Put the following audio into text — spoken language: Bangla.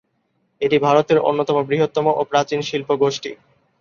এটি ভারতের অন্যতম বৃহত্তম ও প্রাচীন শিল্প গোষ্ঠী।